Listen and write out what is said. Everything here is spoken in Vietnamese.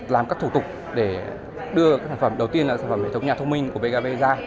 làm các thủ tục để đưa các sản phẩm đầu tiên là sản phẩm hệ thống nhà thông minh của bkv